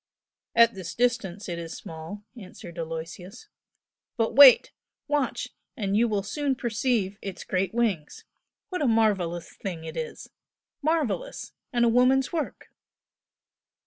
"At this distance it is small" answered Aloysius "But wait! Watch, and you will soon perceive Its great wings! What a marvellous thing it is! Marvellous! and a woman's work!"